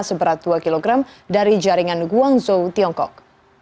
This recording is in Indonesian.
seberat dua kg dari jaringan guangzhou tiongkok